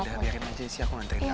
biarin aja sih aku nganterin kamu